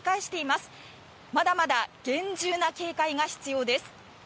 まだまだ厳重な警戒が必要です。